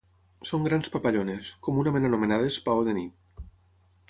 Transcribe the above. Són grans papallones, comunament anomenades paó de nit.